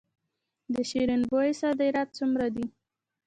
د شیرین بویې صادرات څومره دي؟